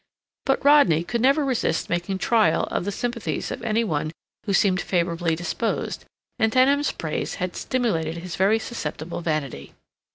But Rodney could never resist making trial of the sympathies of any one who seemed favorably disposed, and Denham's praise had stimulated his very susceptible vanity.